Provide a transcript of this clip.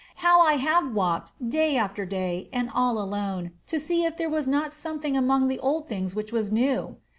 "How I have walked, day after day, and all alone, to see if there was not something among the old things which was new!"